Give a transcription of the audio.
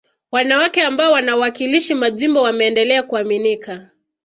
wanawake ambao wanawakilishi majimbo wameendelea kuaminika